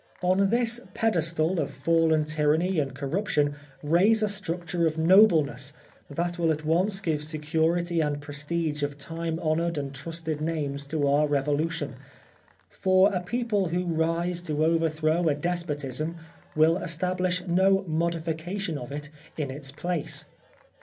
" On this pedestal of fallen tyranny and cor ruption raise a structure of nobleness that will at once give security and prestige of time honoured and trusted names to our revolution. For a people who rise to overthrow a despotism will establish no modification of it in its place.